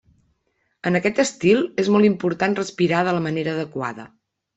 En aquest estil és molt important respirar de la manera adequada.